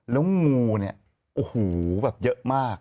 แล้วงูเนี่ยโอ้โหแบบเยอะมาก